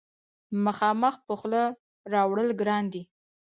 مخامخ په خوله راوړل ګران دي.